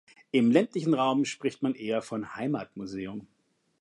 Im ländlichen Raum spricht man eher von Heimatmuseum.